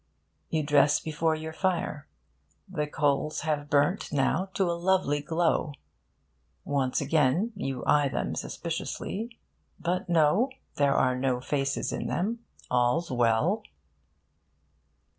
You dress before your fire. The coals have burnt now to a lovely glow. Once and again, you eye them suspiciously. But no, there are no faces in them. All's well.